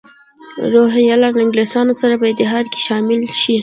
روهیله له انګلیسیانو سره په اتحاد کې شامل شي.